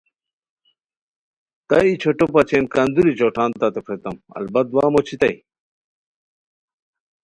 تہ ای چوٹھو بچین کندوری چوٹھان تتے پھریتام البتہ وام اوچھیتائے